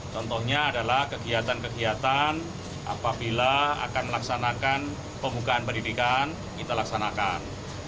contohnya adalah kegiatan kegiatan apabila akan melaksanakan pembukaan pendidikan kita laksanakan